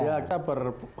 iya agak ber